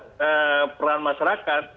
memperkuat peran masyarakat